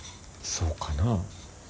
そうかなあ。